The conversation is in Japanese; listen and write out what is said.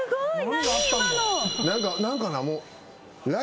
何かな。